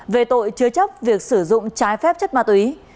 về tội chứa chấp việc sử dụng trái phép chất ma túy